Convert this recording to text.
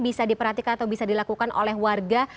bisa diperhatikan atau bisa dilakukan oleh warga